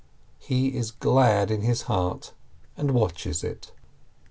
He is glad in his heart and watches it.